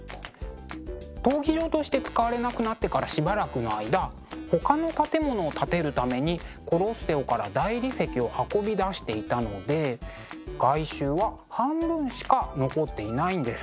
闘技場として使われなくなってからしばらくの間ほかの建物を建てるためにコロッセオから大理石を運び出していたので外周は半分しか残っていないんです。